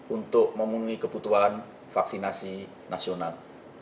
untuk memenuhi kebutuhan vaksinasi nasional